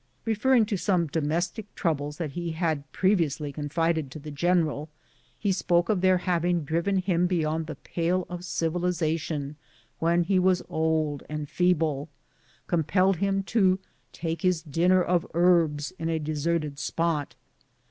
Referring to some domes tic troubles that he had previously confided to the gen eral, he spoke of their having driven him beyond the pale of civilization when he was old and feeble, and compelled him to take his " dinner of herbs " in a de serted spot.